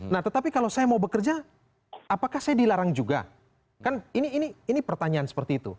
nah tetapi kalau saya mau bekerja apakah saya dilarang juga kan ini pertanyaan seperti itu